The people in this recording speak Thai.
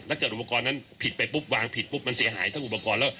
เกิดอุปกรณ์นั้นผิดไปปุ๊บวางผิดปุ๊บมันเสียหายทั้งอุปกรณ์แล้ว